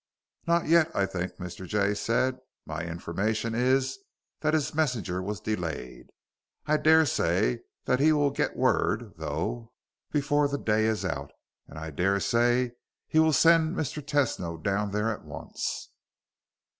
"Not yet, I think," Mr. Jay said. "My information is that his messenger was delayed. I dare say that he will get word, though, before the day is out. And I dare say he will send Mr. Tesno down there at once."